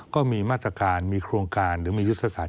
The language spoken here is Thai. ก็มีมาตรการมีโครงการหรือมียุทธศาส